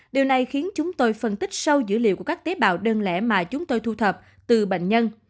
điều này khiến chúng tôi phân tích sâu dữ liệu của các tế bào đơn lẻ mà chúng tôi thu thập từ bệnh nhân